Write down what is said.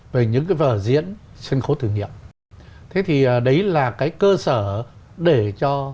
về những cái vở diễn sân khấu thử nghiệm